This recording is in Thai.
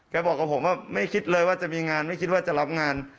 บอกกับผมว่าไม่คิดเลยว่าจะมีงานไม่คิดว่าจะรับงาน